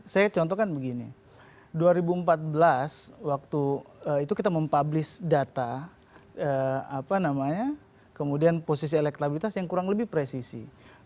saya contohkan begini dua ribu empat belas waktu itu kita mempublish data kemudian posisi elektabilitas yang kurang lebih presisi